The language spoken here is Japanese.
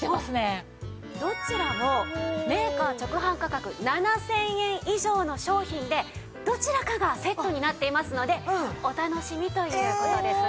どちらもメーカー直販価格７０００円以上の商品でどちらかがセットになっていますのでお楽しみという事ですね。